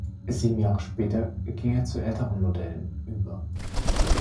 Sieben Jahre später ging er zu älteren Modellen über.